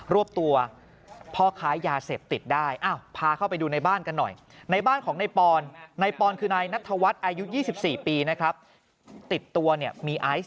รวบตัวพ่อค้ายาเสพติดได้